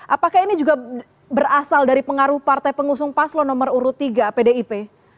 apakah ini juga berasal dari pengaruh partai pengusung paslo nomor urut tiga pdip